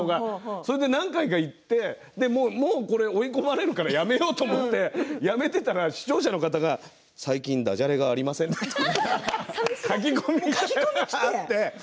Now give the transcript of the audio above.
それで何回か言ってもう追い込まれるからやめようと思ってやめていたら視聴者の方が最近だじゃれがありませんって書き込みがしてあって。